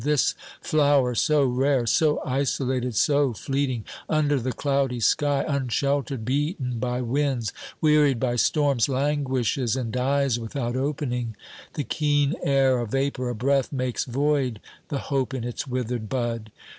This flower so rare, so isolated, so fleeting, under the cloudy sky, unsheltered, beaten by winds, wearied by storms, languishes and dies without opening; the keen air, a vapour, a breath, makes void the hope in its withered bud.